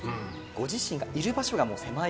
ご自身がいる場所がもう狭い。